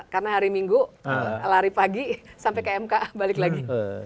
karena hari minggu lari pagi sampai ke mk balik lagi